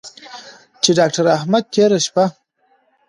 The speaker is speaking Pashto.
چې داکتر احمد تېره شپه